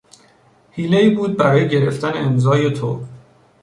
حیلهای بود برای گرفتن امضای تو